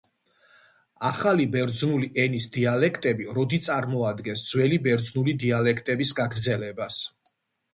ახალი ბერძნული ენის დიალექტები როდი წარმოადგენენ ძველი ბერძნული დიალექტების გაგრძელებას.